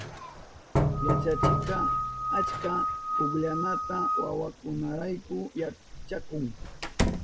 Yachachikka achka pukllanata wawakunarayku yachahun.